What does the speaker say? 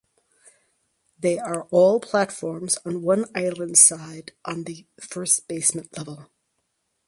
They are all platforms on one island side on the first basement level.